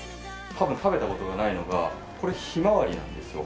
多分食べた事がないのがこれヒマワリなんですよ。